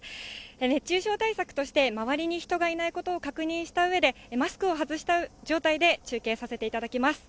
熱中症対策として周りに人がいないことを確認したうえで、マスクを外した状態で、中継させていただきます。